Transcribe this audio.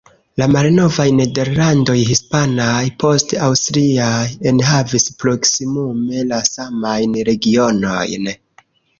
La malnovaj Nederlandoj hispanaj, poste aŭstriaj enhavis proksimume la samajn regionojn.